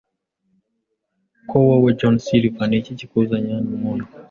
ko wowe, John Silver? Ni iki kikuzanye hano, muntu? ”